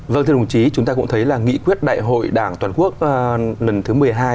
vâng thưa đồng chí chúng ta cũng thấy là nghị quyết đại hội đảng toàn quốc lần thứ một mươi hai